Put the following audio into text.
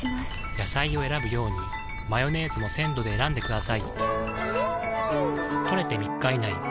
野菜を選ぶようにマヨネーズも鮮度で選んでくださいん！